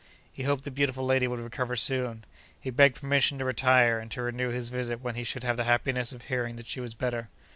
He hoped the beautiful lady would recover soon. He begged permission to retire, and to renew his visit when he should have the happiness of hearing that she was better.